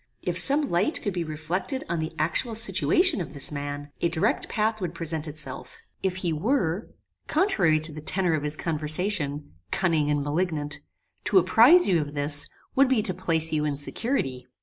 If some light could be reflected on the actual situation of this man, a direct path would present itself. If he were, contrary to the tenor of his conversation, cunning and malignant, to apprize you of this, would be to place you in security.